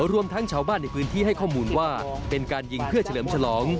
รวมทั้งชาวบ้านในพื้นที่ให้ข้อมูลว่าเป็นการยิงเพื่อเฉลิมฉลอง